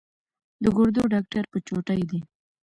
د ګردو ډاکټر په چوټۍ دی